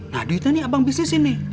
nah duitnya nih abang bisnisin nih